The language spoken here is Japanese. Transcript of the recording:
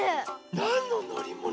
なんののりもの？